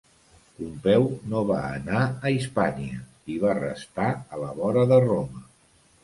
Pompeu no va anar a Hispània i va restar a la vora de Roma.